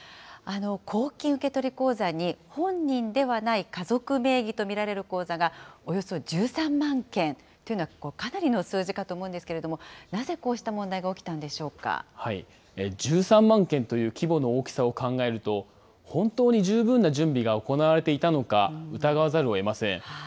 公金受取口座に本人ではない家族名義と見られる口座がおよそ１３万件というのは、かなりの数字かと思うんですけれども、なぜこう１３万件という規模の大きさを考えると、本当に十分な準備が行われていたのか、疑わざるをえません。